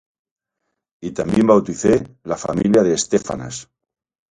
Y también bauticé la familia de Estéfanas: